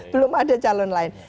belum ada calon lain